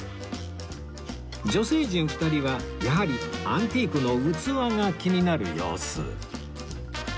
女性陣２人はやはりアンティークの器が気になる様子